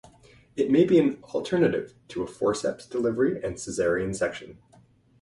It may be an alternative to a forceps delivery and caesarean section.